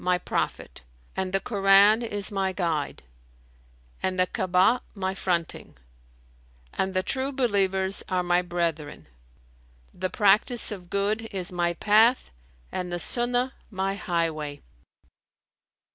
my prophet, and the Koran is my guide and the Ka'abah my fronting; and the True believers are my brethren. The practice of good is my path and the Sunnah my highway."